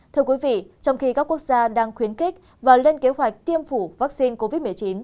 thưa quý vị trong khi các quốc gia đang khuyến khích và lên kế hoạch tiêm chủng vaccine covid một mươi chín